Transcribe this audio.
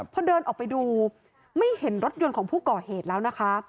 พอเดินออกไปดูไม่เห็นรถยนต์ของผู้ก่อเหตุแล้วนะคะ